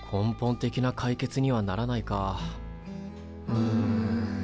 うん。